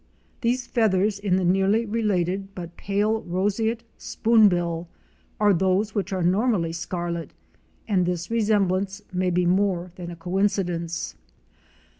These feathers in the nearly related but pale Roseate Spoonbill are those which are normally scarlet, and this resemblance may be more than a coincidence.